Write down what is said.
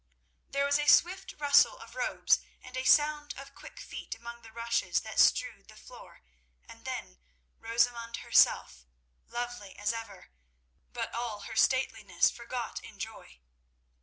There was a swift rustle of robes and a sound of quick feet among the rushes that strewed the floor, and then—Rosamund herself, lovely as ever, but all her stateliness forgot in joy.